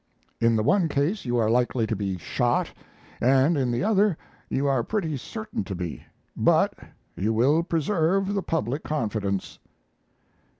In the one case you are likely to be shot, and in the other you are pretty certain to be; but you will preserve the public confidence."